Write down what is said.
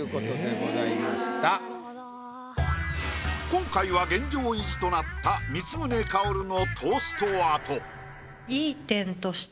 今回は現状維持となった光宗薫のトーストアート。